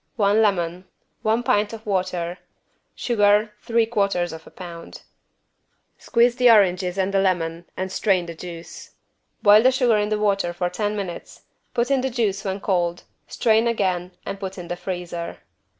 One lemon. One pint of water. Sugar, 3/4 lb. Squeeze the oranges and the lemon and strain the juice. Boil the sugar in the water for ten minutes, put in the juice when cold, strain again and put in the freezer.